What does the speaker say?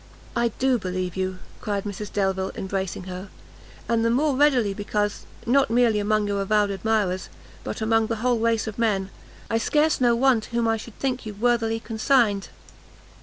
"I do believe you," cried Mrs Delvile, embracing her; "and the more readily because, not merely among your avowed admirers, but among the whole race of men, I scarce know one to whom I should think you worthily consigned!"